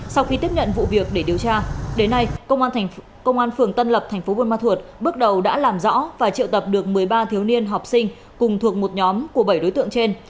sau khi tiếp nhận vụ việc để điều tra đến nay công an phường tân lập thành phố buôn ma thuột bước đầu đã làm rõ và triệu tập được một mươi ba thiếu niên học sinh cùng thuộc một nhóm của bảy đối tượng trên